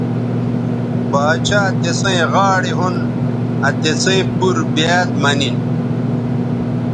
باڇھا تسئیں غاڑے ھون آ تِسئ پور بیاد مہ نن